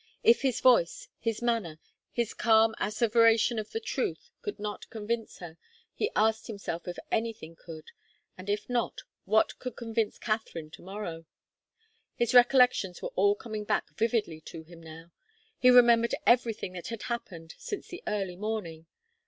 If his voice, his manner, his calm asseveration of the truth could not convince her, he asked himself if anything could. And if not, what could convince Katharine to morrow? His recollections were all coming back vividly to him now. He remembered everything that had happened since the early morning.